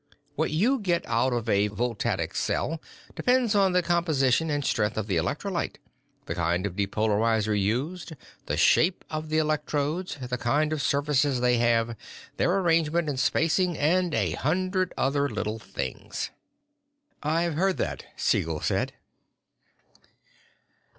What you get out of a voltaic cell depends on the composition and strength of the electrolyte, the kind of depolarizer used, the shape of the electrodes, the kind of surface they have, their arrangement and spacing, and a hundred other little things." "I've heard that," Siegel said.